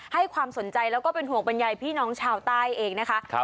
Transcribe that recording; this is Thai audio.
ให้ความสนใจแล้วก็เป็นห่วงบรรยายพี่น้องชาวใต้เองนะคะ